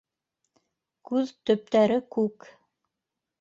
Күҙ төптәре күк.